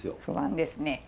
不安ですね。